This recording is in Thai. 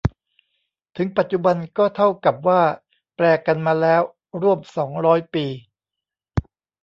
ถึงปัจจุบันก็เท่ากับว่าแปลกันมาแล้วร่วมสองร้อยปี